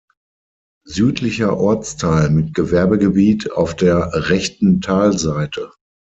Südlicher Ortsteil mit Gewerbegebiet auf der rechten Talseite.